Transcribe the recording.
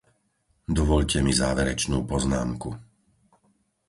Dovoľte mi záverečnú poznámku.